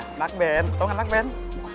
anak band tau gak anak band